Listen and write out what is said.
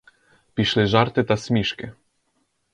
Пішли жарти та смішки.